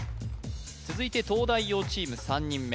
続いて東大王チーム３人目